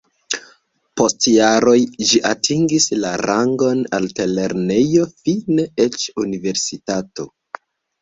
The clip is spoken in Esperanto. Post jaroj ĝi atingis la rangon altlernejo, fine eĉ universitato.